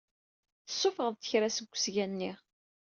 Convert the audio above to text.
Tessuffeɣ-d kra seg wesga-nni.